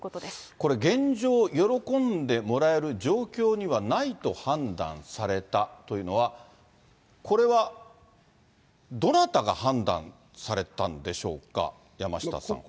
これ、現状、喜んでもらえる状況にはないと判断されたというのは、これはどなたが判断されたんでしょうか、山下さん。